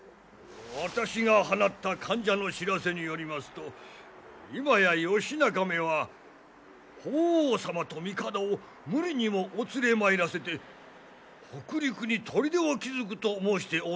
私が放った間者の知らせによりますと今や義仲めは法皇様と帝を無理にもお連れまいらせて北陸にとりでを築くと申しておるそうにござりまする。